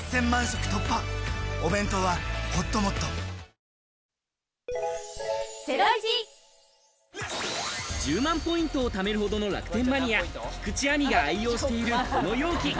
三菱電機１０万ポイントをためるほどの楽天マニア、菊地亜美が愛用しているこの容器。